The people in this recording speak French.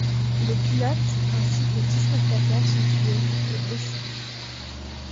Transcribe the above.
Le pilote ainsi que dix spectateurs sont tués, et blessés.